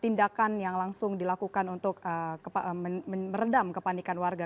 tindakan yang langsung dilakukan untuk meredam kepanikan warga